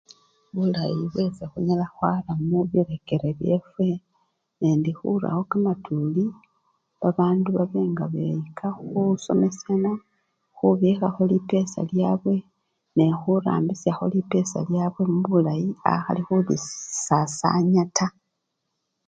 Bulayi bwesi khunyala khwarawo mubirekere byefwe, nendi khurawo kamatuli babandu babe nga beyika khusoma, khubikhakho lipesa lyabwe nekhurambisyakho lipesa lyabwe mubulayi akhali khubi si! sasanya taa.